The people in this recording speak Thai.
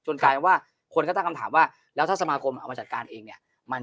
กลายเป็นว่าคนก็ตั้งคำถามว่าแล้วถ้าสมาคมเอามาจัดการเองเนี่ย